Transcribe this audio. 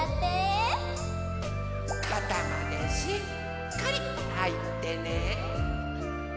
かたまでしっかりはいってね。